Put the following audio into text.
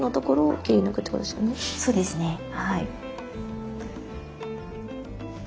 そうですねはい。